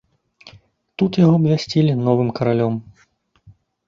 Тут яго абвясцілі новым каралём.